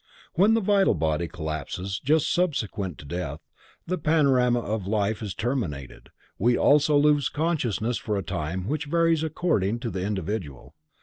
When the vital body collapses just subsequent to death, and the panorama of life is terminated, we also lose consciousness for a time which varies according to the individual.